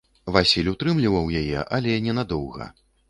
Васіль утрымліваў яе, але ненадоўга.